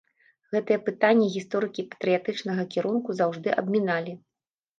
Гэтае пытанне гісторыкі патрыятычнага кірунку заўжды абміналі.